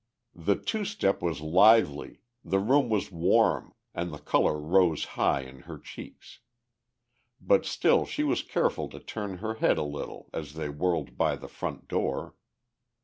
The two step was lively; the room was warm, and the colour rose high in her cheeks. But still she was careful to turn her head a little as they whirled by the front door.